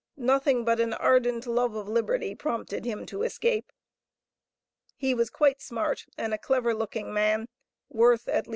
Nothing but an ardent love of liberty prompted him to escape. He was quite smart, and a clever looking man, worth at least $1,000.